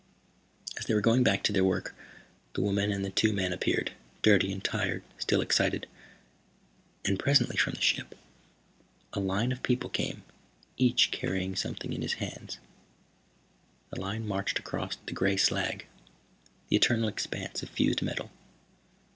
As they were going back to their work the woman and the two men appeared, dirty and tired, still excited. And presently, from the ship, a line of people came, each carrying something in his hands. The line marched across the gray slag, the eternal expanse of fused metal.